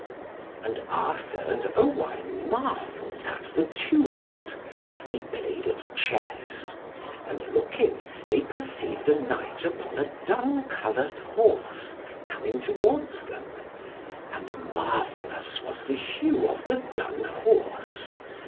And Arthur and Owain marvelled at the tumult as they played at chess; and, looking, they perceived a knight upon a dun coloured horse coming towards them. And marvellous was the hue of the dun horse.